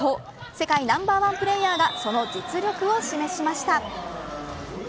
世界ナンバーワンプレーヤーがその実力を示しました。